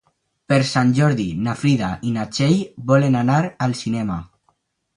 Per Sant Jordi na Frida i na Txell volen anar al cinema.